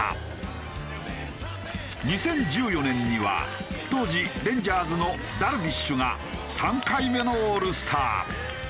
２０１４年には当時レンジャーズのダルビッシュが３回目のオールスター。